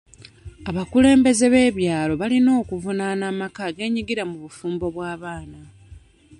Abakulembeze b'ebyalo balina okuvunaana amaka ageenyigira mu bufumbo bw'abaana.